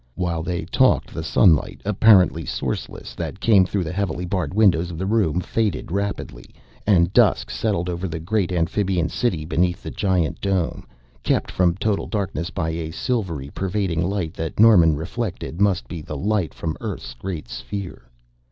While they talked, the sunlight, apparently sourceless, that came through the heavily barred windows of the room faded rapidly, and dusk settled over the great amphibian city beneath the giant dome, kept from total darkness by a silvery pervading light that Norman reflected must be the light from Earth's great sphere.